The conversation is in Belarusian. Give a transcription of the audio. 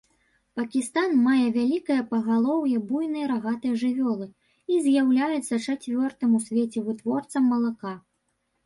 Пакістан мае вялікае пагалоўе буйной рагатай жывёлы і з'яўляецца чацвёртым у свеце вытворцам малака.